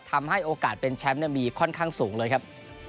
ทำให้โอกาสเป็นแชมป์มีค่อนข้างสูงเลยครับ